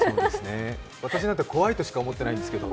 私なんて怖いとしか思ってないんですけど。